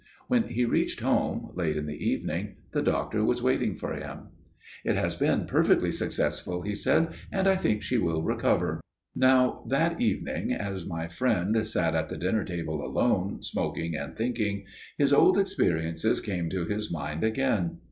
When he reached home, late in the evening, the doctor was waiting for him. "'It has been perfectly successful,' he said, 'and I think she will recover.' "Now, that evening, as my friend sat at the dinner table alone, smoking and thinking, his old experiences came to his mind again.